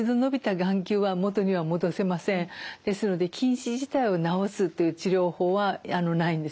ええ残念ながらですので近視自体を治すっていう治療法はないんです。